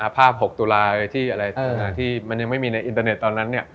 อภาพหกตุลาที่มันยังไม่มีในอินเตอร์เน็ตตอนนั้น